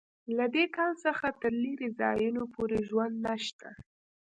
له دې کان څخه تر لېرې ځایونو پورې ژوند نشته